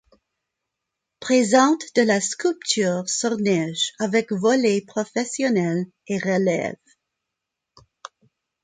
Présente de la sculpture sur neige, avec volets professionnel et relève.